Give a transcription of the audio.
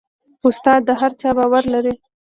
استاد د هر چا باور لري.